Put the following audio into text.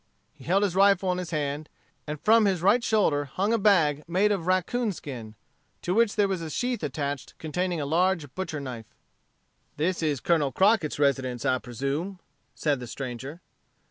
He held his rifle in his hand, and from his right shoulder hung a bag made of raccoon skin, to which there was a sheath attached containing a large butcher knife. "This is Colonel Crockett's residence, I presume," said the stranger.